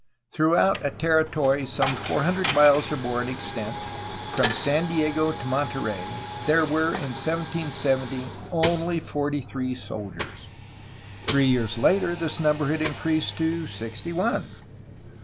Throughout a territory some four hundred miles or more in extent, from San Diego to Monterey, there were in 1770 only forty three soldiers. Three years later this num ber had increased to sixty one.